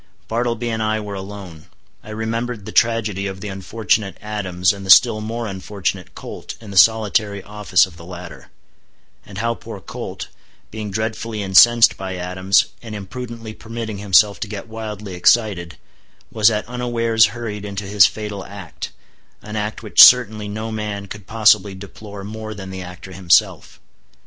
Bartleby and I were alone. I remembered the tragedy of the unfortunate Adams and the still more unfortunate Colt in the solitary office of the latter; and how poor Colt, being dreadfully incensed by Adams, and imprudently permitting himself to get wildly excited, was at unawares hurried into his fatal act—an act which certainly no man could possibly deplore more than the actor himself.